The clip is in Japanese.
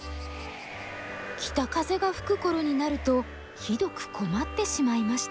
北風が吹く頃になるとひどく困ってしまいました。